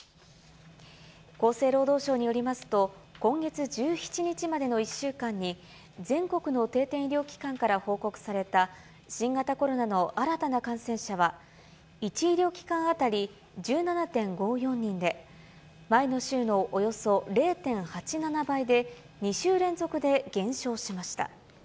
厚生労働省によりますと、今月１７日までの１週間に、全国の定点医療機関から報告された新型コロナの新たな感染者は、１医療機関当たり１７．５４人で、前の週のおよそ０．８７倍で、２週連続で減少しました。